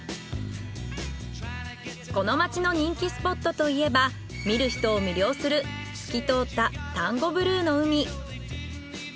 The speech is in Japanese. この町の人気スポットといえば見る人を魅了する透き通った丹後ブルーの海。